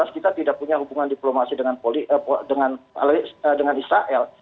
kita tidak punya hubungan diplomasi dengan israel